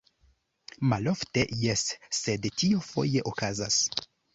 Malofte, jes, sed tio foje okazas.